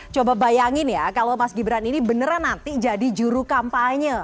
coba bayangin ya kalau mas gibran ini beneran nanti jadi juru kampanye